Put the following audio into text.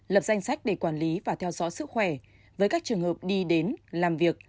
lập danh sách để quản lý và theo dõi sức khỏe với các trường hợp đi đến làm việc